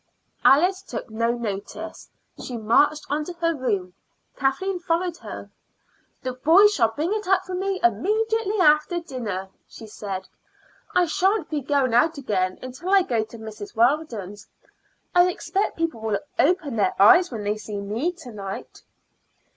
Alice took no notice; she marched on to her room. Kathleen followed her. "The boys shall bring it up for me immediately after dinner," she said. "I sha'n't be going out again until I go to Mrs. Weldon's. I expect people will open their eyes when they see me to night."